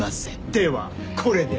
ではこれで。